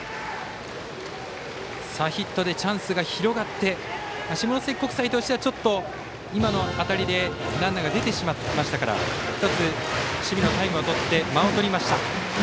ヒットでチャンスが広がって下関国際としては今の当たりでランナーが出てしまいましたから守備のタイムを取って間をとりました。